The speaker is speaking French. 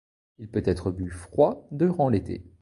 Il peut être bu froid durant l'été.